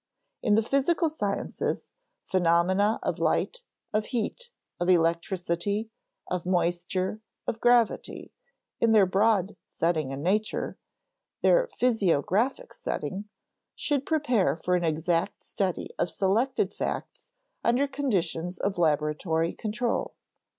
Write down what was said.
In the physical sciences, phenomena of light, of heat, of electricity, of moisture, of gravity, in their broad setting in nature their physiographic setting should prepare for an exact study of selected facts under conditions of laboratory control.